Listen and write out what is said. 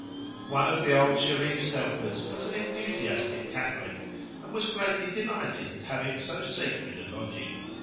One of old Shereef's helpers was an enthusiastic Catholic, and was greatly delighted at having so sacred a lodging.